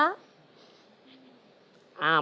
ไม่บอกเลยครับ